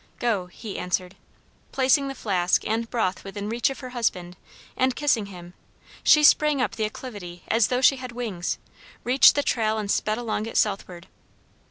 "Go," he answered. Placing the flask and broth within reach of her husband, and kissing him, she sprang up the acclivity as though she had wings, reached the trail and sped along it southward.